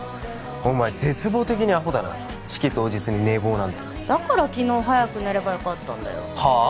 お前絶望的にアホだな式当日に寝坊なんてだから昨日早く寝ればよかったんだよはあ？